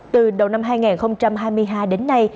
từ đầu năm hai nghìn hai mươi hai đến nay